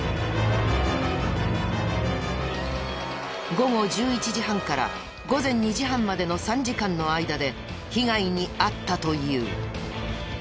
午後１１時半から午前２時半までの３時間の間で被害に遭ったという。